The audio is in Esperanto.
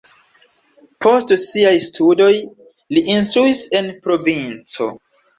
Post siaj studoj li instruis en provinco.